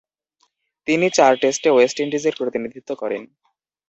তিনি চার টেস্টে ওয়েস্ট ইন্ডিজের প্রতিনিধিত্ব করেন।